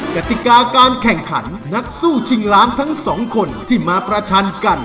กติกาการแข่งขันนักสู้ชิงล้านทั้งสองคนที่มาประชันกัน